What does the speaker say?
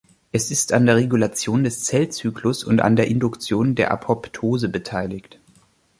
Es ist an der Regulation des Zellzyklus und an der Induktion der Apoptose beteiligt.